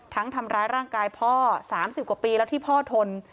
ทั้งทำร้ายร่างกายพ่อสามสิบกว่าปีแล้วที่พ่อทน